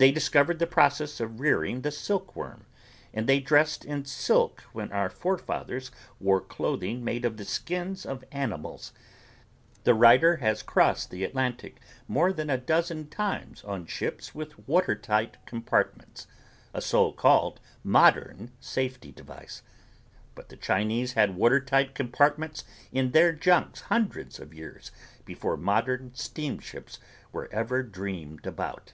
They discovered the process of rearing the silkworm and they dressed in silk when our forefathers wore clothing made of the skins of animals. The writer has crossed the Atlantic more than a dozen times on ships with watertight compartments, a so called modern safety device, but the Chinese had watertight compartments in their junks hundreds of years before modern steamships were ever dreamed about.